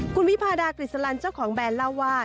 คุณวิพาดากฤษลันเจ้าของแบรนด์เล่าว่า